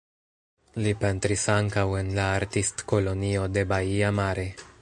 Li pentris ankaŭ en la Artistkolonio de Baia Mare.